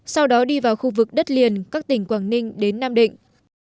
sau đó đi vào khu vực đất liền các tỉnh quảng ninh đến nam định